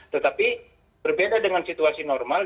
tetapi berbeda dengan situasi normal